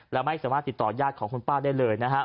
และไม่สามารถติดต่อยาดของคุณป้าได้เลยนะฮะ